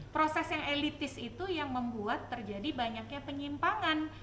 proses yang elitis itu yang membuat terjadi banyaknya penyimpangan